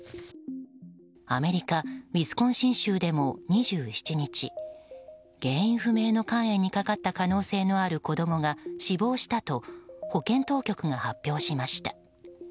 アメリカ・ウィスコンシン州でも２７日原因不明の肝炎にかかった可能性のある子供が死亡したと保健当局が発表しました。